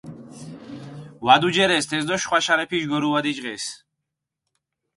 ვადუჯერეს თეს დო შხვა შარეფიში გორუა დიჭყეს.